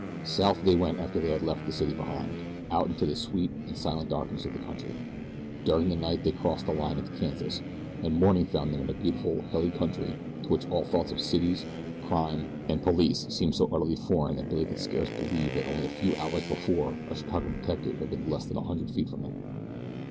South they went after they had left the city behind, out into the sweet and silent darkness of the country. During the night they crossed the line into Kansas, and morning found them in a beautiful, hilly country to which all thoughts of cities, crime, and police seemed so utterly foreign that Billy could scarce believe that only a few hours before a Chicago detective had been less than a hundred feet from him.